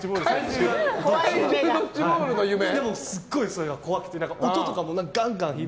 すごいそれが怖くて音とかもガンガン響いて。